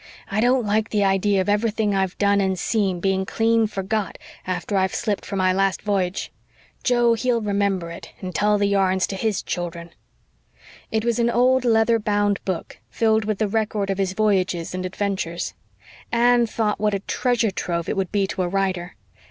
"I don't like the idea of everything I've done and seen being clean forgot after I've shipped for my last v'yage. Joe, he'll remember it, and tell the yarns to his children." It was an old leather bound book filled with the record of his voyages and adventures. Anne thought what a treasure trove it would be to a writer.